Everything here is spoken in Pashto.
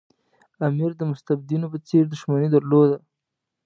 امیر د مستبدینو په څېر دښمني درلوده.